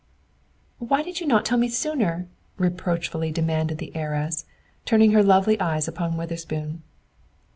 "Why did you not tell me sooner?" reproachfully demanded the heiress, turning her lovely eyes upon Witherspoon.